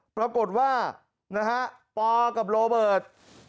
ปรากฏว่านะฮะปอกับโรเบิร์ต